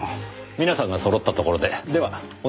皆さんが揃ったところでではお願いします。